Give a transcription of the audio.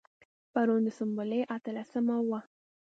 پرون د سنبلې اتلسمه وه.